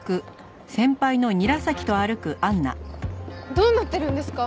どうなってるんですか？